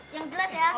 yang jelas ya